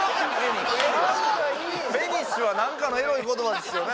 フェニッシュはなんかのエロい言葉ですよね